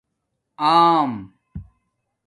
آم